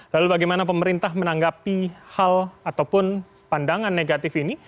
lalu bagaimana pemerintah menanggapi hal ataupun pandangan negatif ini